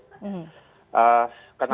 jadi detik juga terkejut ya